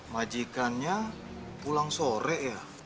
majikannya pulang sore ya